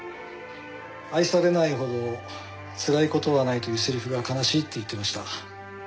「愛されないほどつらい事はない」というセリフが悲しいって言っていました。